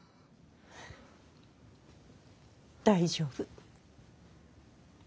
大丈夫。